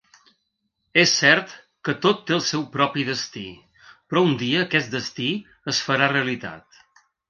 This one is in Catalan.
És cert que tot té el seu propi destí, però un dia aquest destí es farà realitat.